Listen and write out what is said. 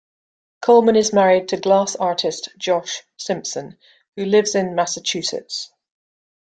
Coleman is married to glass artist Josh Simpson who lives in Massachusetts.